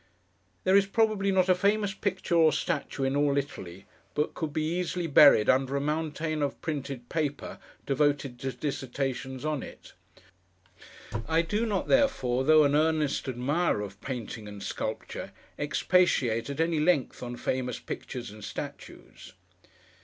There is, probably, not a famous Picture or Statue in all Italy, but could be easily buried under a mountain of printed paper devoted to dissertations on it. I do not, therefore, though an earnest admirer of Painting and Sculpture, expatiate at any length on famous Pictures and Statues.